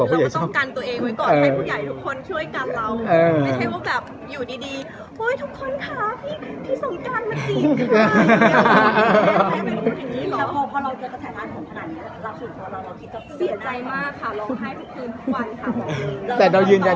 บอกว่าคือเรารู้ตัวอยู่แล้วว่าเราจะสวย